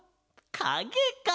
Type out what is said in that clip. かげか。